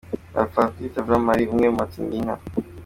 Bapfakwita Jean Marie umwe mu batsindiye inka .